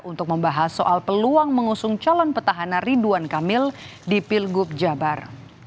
untuk membahas soal peluang mengusung calon petahana ridwan kamil di pilgub jabar